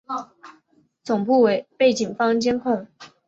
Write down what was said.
总部被警方监控。